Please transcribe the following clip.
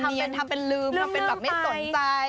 เรียนทำเป็นลืมทำเป็นแบบไม่สนใจ